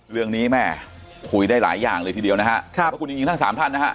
เรื่องนี้แม่คุยได้หลายอย่างเลยทีเดียวนะฮะขอบพระคุณจริงทั้งสามท่านนะฮะ